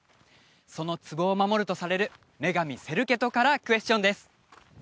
その壺を守るとされる女神セルケトからクエスチョンです